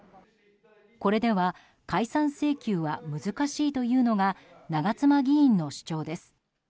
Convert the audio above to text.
これでは解散請求は難しいというのが長妻議員の主張です。